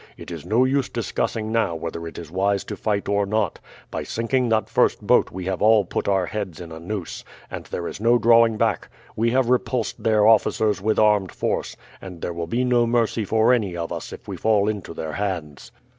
It is no use discussing now whether it is wise to fight or not. By sinking that first boat we have all put our heads in a noose, and there is no drawing back. We have repulsed their officers with armed force, and there will be no mercy for any of us if we fall into their hands."